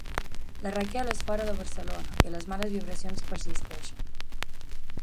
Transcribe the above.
La Raquel és fora de Barcelona i les males vibracions persisteixen.